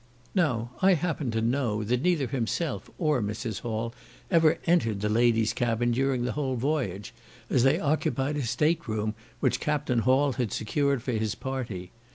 Now I happen to know that neither himself or Mrs. Hall ever entered the ladies' cabin during the whole voyage, as they occupied a state room which Captain Hall had secured for his party.